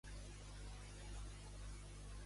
Esquerra Republicana de Catalunya i JxCat estan d'acord?